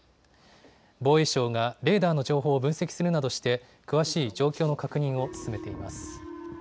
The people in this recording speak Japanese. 防衛省がレーダーの情報を分析するなどして、詳しい状況の確認を進めています。